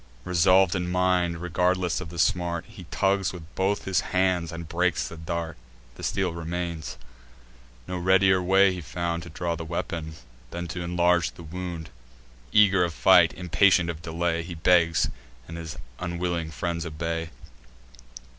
Resolv'd in mind, regardless of the smart, He tugs with both his hands, and breaks the dart. The steel remains. No readier way he found To draw the weapon, than t' inlarge the wound. Eager of fight, impatient of delay, He begs; and his unwilling friends obey.